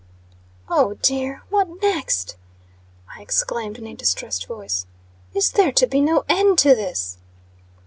"Oh dear! What next!" I exclaimed in a distressed voice. "Is there to be no end to this?"